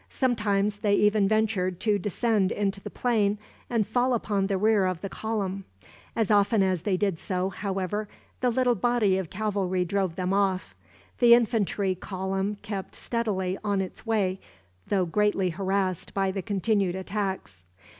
Sometimes they even ventured to descend into the plain, and fall upon the rear of the column. As often as they did so, however, the little body of cavalry drove them off. The infantry column kept steadily on its way, though greatly harassed by the continued attacks.